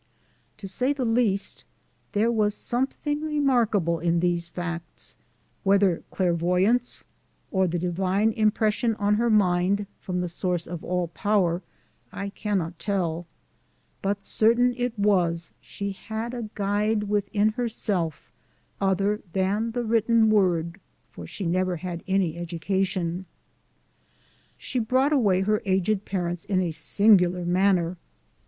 To say the least, there was something remarkable in these facts, whether clairvoyance, or the divine impression on her mind from the source of all power, I cannot tell ; but certain it was she had a guide within herself other than the written word, for she never had any edu cation. She brought away her aged parents in a singular manner.